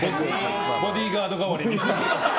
ボディーガード代わりに。